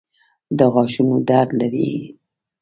د غاښونو درد لرئ؟